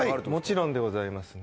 もちろんでございますね。